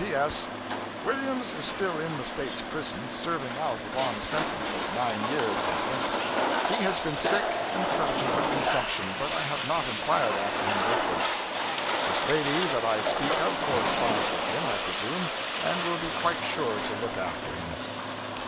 P.S. Williams is still in the State's prison, serving out a long sentence of nine years, I think. He has been sick and threatened with consumption, but I have not inquired after him lately. This lady that I speak of corresponds with him, I presume, and will be quite sure to look after him.